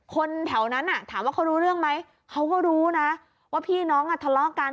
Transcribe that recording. คนแถวนั้นถามว่าเขารู้เรื่องไหมเขาก็รู้นะว่าพี่น้องอ่ะทะเลาะกัน